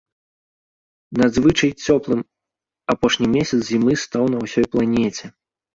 Надзвычай цёплым апошні месяц зімы стаў на ўсёй планеце.